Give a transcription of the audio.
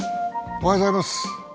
おはようございます。